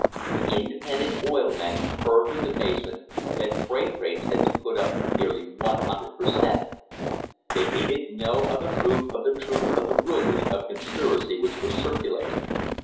The independent oil men heard with amazement that freight rates had been put up nearly 100 per cent. They needed no other proof of the truth of the rumours of conspiracy which were circulating.